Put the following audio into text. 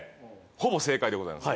ほぼ正解でございます。